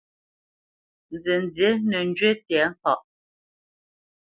Nzənzí nə́ njywi tɛ̌ŋkaʼ.